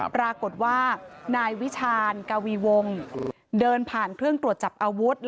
ปรากฏว่านายวิชาณกวีวงเดินผ่านเครื่องตรวจจับอาวุธ